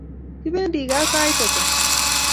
Kipendi kaa sait ata?